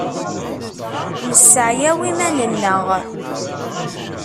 Nesseɛyaw iman-nneɣ.